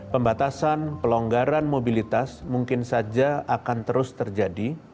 pembatasan pelonggaran mobilitas mungkin saja akan terus terjadi